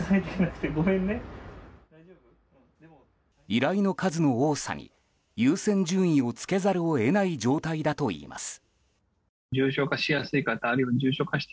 依頼の数の多さに優先順位をつけざるを得ない状態だといいます。